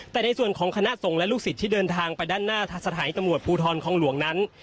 แต่ในส่วนของคณะสงฆ์และลูกศิษย์ที่เดินทางไปด้านหน้าสถานีตำรวจภูทรคองหลวงนั้น